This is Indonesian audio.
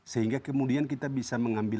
sehingga kemudian kita bisa mengambil